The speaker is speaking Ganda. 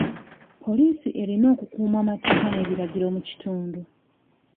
Poliisi erina okukuuma amateeka n'ebiragiro mu kitundu.